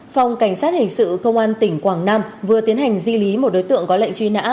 phòng cảnh sát hình sự công an tỉnh quảng nam vừa tiến hành di lý một đối tượng có lệnh truy nã